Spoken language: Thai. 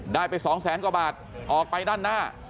ได้ไป๒แสนกว่าบาทออกไปด้านหน้า